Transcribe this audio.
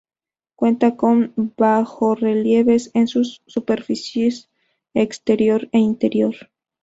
Cuenta con bajorrelieves en sus superficies exterior e interior.